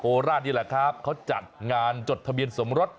ราชนี่แหละครับเขาจัดงานจดทะเบียนสมรส